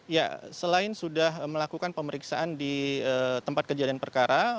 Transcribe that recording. ya selain sudah melakukan pemeriksaan di tempat kejadian perkara